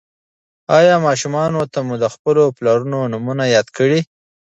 ایا ماشومانو ته مو د خپلو پلرونو نومونه یاد کړي؟